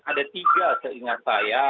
ada tiga seingat saya